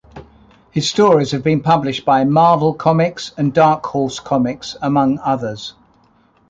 His stories have been published by Marvel Comics and Dark Horse Comics, among others.